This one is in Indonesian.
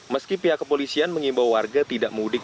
meski pihak kepolisian mengimbau warga tidak mudik